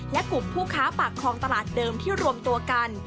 และกลุ่มผู้ค้าปากคลองตลาดเดิมที่รวมตัวกัน